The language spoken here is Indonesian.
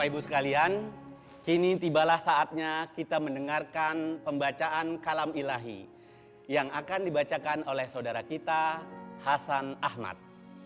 jualah saatnya kita mendengarkan pembacaan kalam ilahi yang akan dibacakan oleh saudara kita hasan ahmad